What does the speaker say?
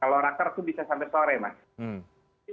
kalau raker itu bisa sampai sore mas